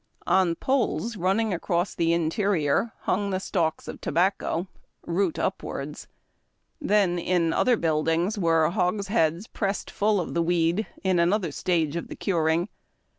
On poles running across the interior hung the stalks of tobacco, root upwards. Then, in other buildings were hogsheads pressed full of the " weed," in another stage of the curing.